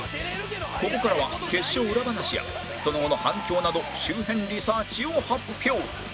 ここからは決勝裏話やその後の反響など周辺リサーチを発表